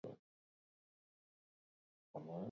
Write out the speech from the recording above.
Alde Zaharreko hegoaldean dago, izen bereko Done Jakue kalean.